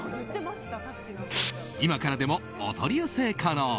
今からでもお取り寄せ可能！